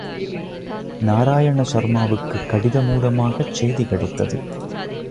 நாராயண சர்மாவுக்குக் கடிதமூலமாக சேதிகிடைத்தது.